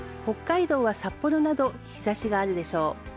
北海道は札幌など日差しがあるでしょう。